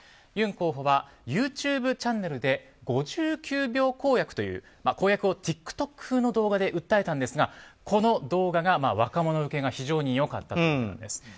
ユン候補はＹｏｕＴｕｂｅチャンネルで５９秒公約という公約をＴｉｋＴｏｋ風の動画で訴えたんですが、この動画が若者受けが非常に良かったということなんです。